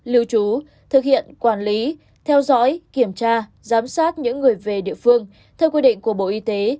lưu trú thực hiện quản lý theo dõi kiểm tra giám sát những người về địa phương theo quy định của bộ y tế